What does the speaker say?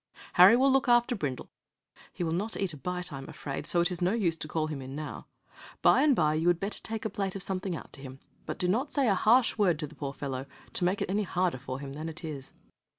Harry will look after Brindle. He will not eat a bite, I am afraid, so it is no use to call him in now. By and by you would better take a plate of something out to him; but do not say a harsh word to the poor fellow, to make it any harder for him than it is."